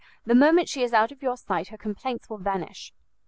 The moment she is out of your sight her complaints will vanish."